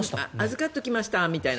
預かっておきましたみたいな。